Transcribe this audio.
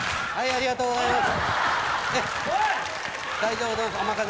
ありがとうございます。